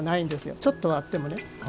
ちょっとはあってもね。